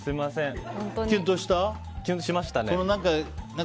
しましたね。